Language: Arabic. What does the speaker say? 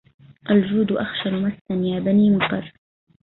الجود أخشن مسا يابني مطر